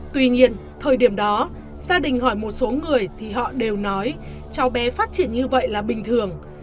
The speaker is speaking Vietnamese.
tuy nhiên thời điểm đó gia đình hỏi một số người thì họ đều nói cháu bé phát triển như vậy là bình thường